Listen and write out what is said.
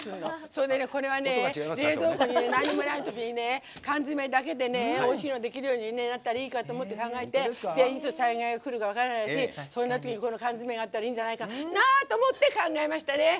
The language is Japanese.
それで、これは冷蔵庫に何もないときに缶詰だけでおいしいのできるようになったらいいかと思って、考えていつ災害がくるか分からないし、そんなときに缶詰があったらいいんじゃないかなんて思って考えましたね。